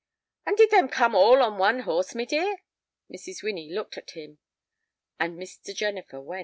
"And did them come all on one horse, my dear?" Mrs. Winnie looked at him, and Mr. Jennifer went.